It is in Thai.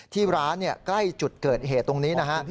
ที่ร้านใกล้จุดเกิดเหตุตรงนี้นะฮะ